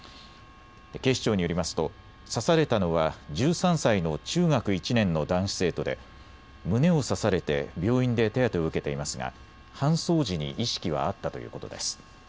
警視庁によりますと刺されたのは１３歳の中学１年の男子生徒で胸を刺されて病院で手当てを受けていますが搬送時に意識はあったということです。